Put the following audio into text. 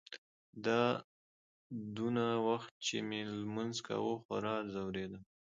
دا دونه وخت چې مې لمونځ کاوه خورا ځورېدم.